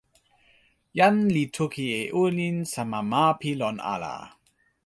jan li toki e olin sama ma pi lon ala.